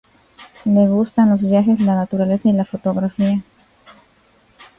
Le gustan los viajes, la naturaleza, y la fotografía.